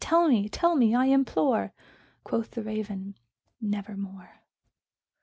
tell me tell me, I implore!" Quoth the Raven, "Nevermore."